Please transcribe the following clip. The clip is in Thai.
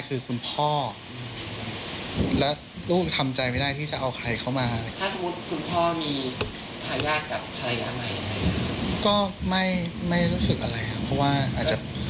ภูมิยังไม่รู้สึกอะไรค่ะเพราะว่าอาจจะ